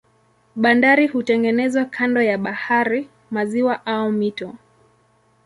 Bandari hutengenezwa kando ya bahari, maziwa au mito.